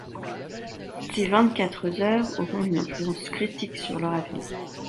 Ces vingt-quatre heures auront une influence critique sur leur avenir...